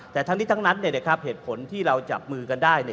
แต่ทั้งนี้ทั้งนั้นเนี่ยครับเหตุผลที่เราจับมือกันได้เนี่ย